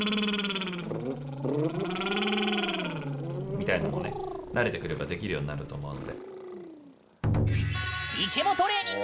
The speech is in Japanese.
みたいのもね、慣れてくればできるようになると思うので。